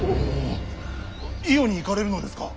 伊予に行かれるのですか。